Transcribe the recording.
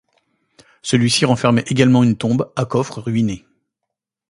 Celui-ci renfermait également une tombe à coffre ruinée.